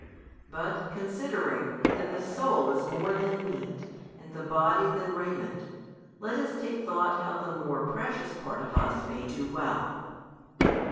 but considering that the soul is more than meat, and the body than raiment, let us take thought how the more precious part of us may do well.